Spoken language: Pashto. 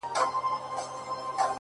زما د زړه د كـور ډېـوې خلگ خبــري كوي،